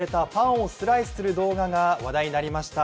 ＳＮＳに投稿されたパンをスライスする動画が話題になりました。